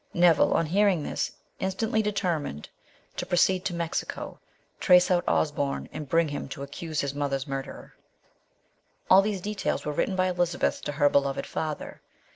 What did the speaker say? Neville, on hearing this, instantly determined to proceed to Mexico, trace out Osborne, and bring him to accuse his mother's murderer. All these details were written by Elizabeth to her beloved father.